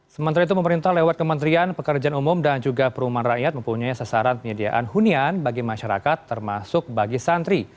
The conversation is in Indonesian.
sementara itu pemerintah lewat kementerian pekerjaan umum dan juga perumahan rakyat mempunyai sasaran penyediaan hunian bagi masyarakat termasuk bagi santri